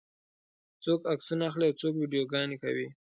څوک عکسونه اخلي او څوک ویډیوګانې کوي.